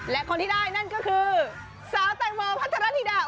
และคนที่ได้นั่นก็คือสาวแตงโมพัทรธิดา